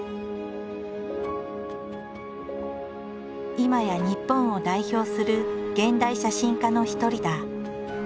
いまや日本を代表する現代写真家の一人だ。